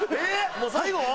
もう最後？